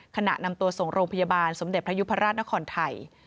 ขณะนำตัวส่งโรงพยาบาลสมเด็จพระยุพราชนครไทย